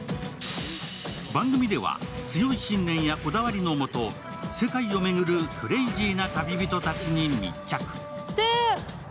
番組では、強い信念やこだわりの下、世界を巡るクレイジーな旅人たちに密着。